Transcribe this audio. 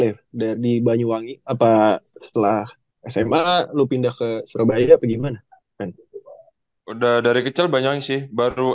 eh dari banyuwangi apa setelah sma lu pindah ke surabaya apa gimana udah dari kecil banyak sih baru